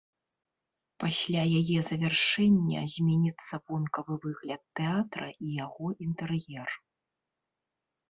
Пасля яе завяршэння зменіцца вонкавы выгляд тэатра і яго інтэр'ер.